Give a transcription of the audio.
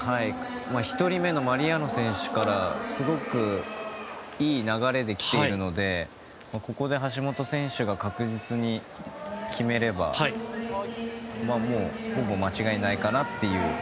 １人目のマリアーノ選手からすごくいい流れで来ているのでここで橋本選手が確実に決めればもうほぼ間違いないかなという。